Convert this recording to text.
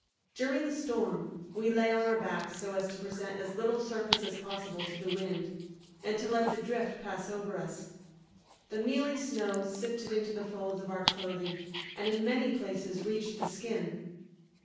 During the storm we lay on our backs so as to present as little surface as possible to the wind, and to let the drift pass over us. The mealy snow sifted into the folds of our clothing and in many places reached the skin.